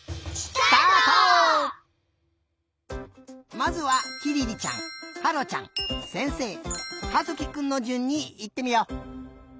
まずはきりりちゃんはろちゃんせんせいかずきくんのじゅんにいってみよう。